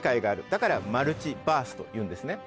だからマルチバースというんですね。